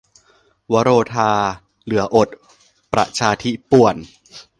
วโรทาห์ เหลืออด ประชาธิป่วน